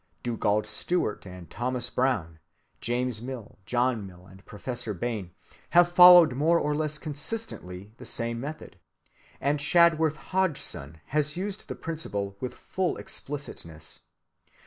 Dugald Stewart and Thomas Brown, James Mill, John Mill, and Professor Bain, have followed more or less consistently the same method; and Shadworth Hodgson has used the principle with full explicitness.